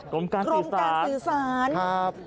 กรมการสื่อสารครับ